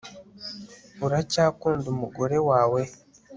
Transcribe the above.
uracyakunda umugore wawe